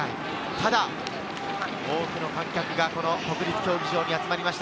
ただ多くの観客が国立競技場に集まりました。